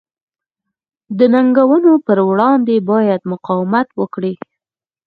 د ننګونو پر وړاندې باید مقاومت وکړي.